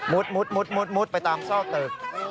มุดไปตามซอกตึก